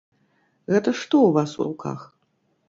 Гэта што ў вас у руках?